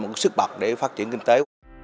một sức bậc để phát triển kinh tế